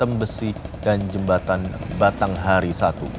jembatan tembesi dan jembatan batanghari satu